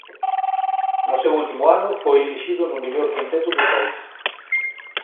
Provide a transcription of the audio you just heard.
No seu último ano foi elixido no mellor quinteto do país.